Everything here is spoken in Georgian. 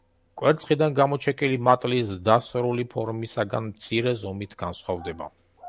კვერცხიდან გამოჩეკილი მატლი ზრდასრული ფორმისაგან მცირე ზომით განსხვავდება.